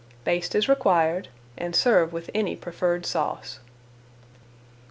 Baste as required and serve with any preferred sauce.